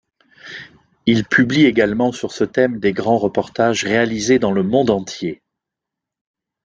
Il publie également sur ce thème des grands reportages réalisés dans le monde entier.